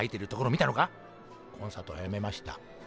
コンサートはやめました。